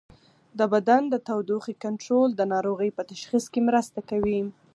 د بدن د تودوخې کنټرول د ناروغۍ په تشخیص کې مرسته کوي.